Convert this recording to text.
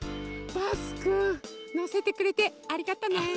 バスくんのせてくれてありがとね。